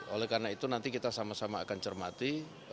oleh karena itu nanti kita sama sama akan cermati